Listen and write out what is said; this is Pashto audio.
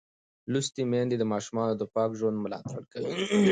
لوستې میندې د ماشومانو د پاک ژوند ملاتړ کوي.